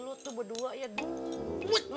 lu tuh berdua ya di